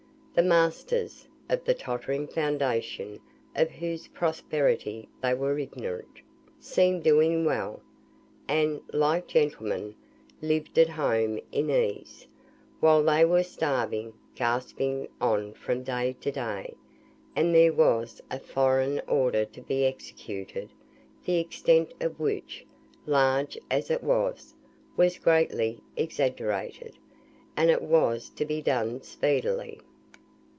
The masters (of the tottering foundation of whose prosperity they were ignorant) seemed doing well, and like gentlemen, "lived at home in ease," while they were starving, gasping on from day to day; and there was a foreign order to be executed, the extent of which, large as it was, was greatly exaggerated; and it was to be done speedily.